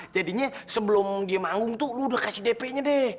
jadinya sebelum dia manggung tuh lu udah kasih dp nya deh